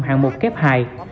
hạng mục kép hài